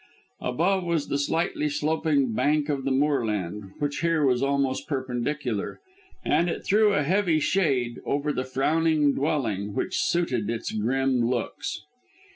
Above was the slightly sloping bank of the moorland, which here was almost perpendicular, and it threw a heavy shade over the frowning dwelling, which suited its grim looks.